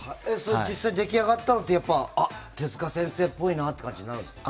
実際に出来上がったのって手塚先生っぽいなって感じになるんですか？